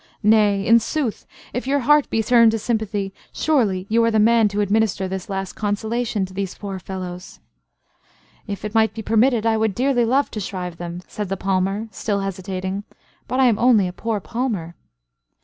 Nay, in sooth, if your heart be turned to sympathy, surely you are the man to administer this last consolation to these poor fellows." "If it might be permitted I would dearly love to shrive them," said the palmer, still hesitating. "But I am only a poor palmer."